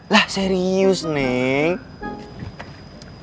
lah serius neng